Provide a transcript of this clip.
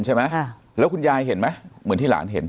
ใช่ไหมแล้วคุณยายเห็นไหมเหมือนที่หลานเห็น